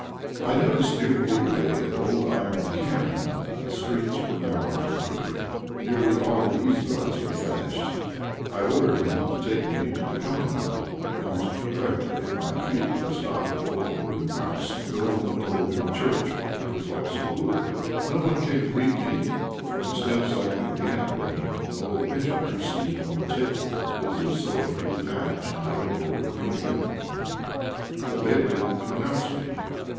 I noticed near the gateway an old iron cannon. The streets were narrow and crooked, nearly all the izbás were thatched. I ordered him to take me to the Commandant, and almost directly my kibitka stopped before a wooden house, built on a knoll near the church, which was also in wood. No one came to meet me. From the steps I entered the ante room. An old pensioner, seated on a table, was busy sewing a blue patch on the elbow of a green uniform. I begged him to announce me.